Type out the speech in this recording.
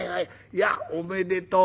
いやおめでとう。